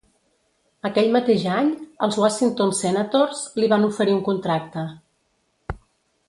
Aquell mateix any, els Washington Senators li van oferir un contracte.